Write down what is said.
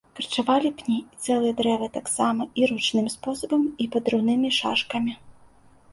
Карчавалі пні і цэлыя дрэвы таксама і ручным спосабам і падрыўнымі шашкамі.